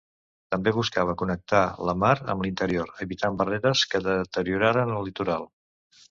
També buscava connectar la mar amb l’interior evitant barreres que deterioraren el litoral.